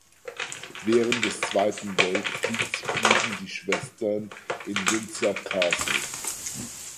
Während des Zweiten Weltkriegs blieben die Schwestern in Windsor Castle.